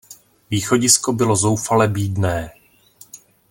Východisko bylo zoufale bídné.